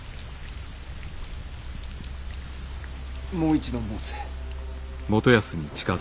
もう一度申せ。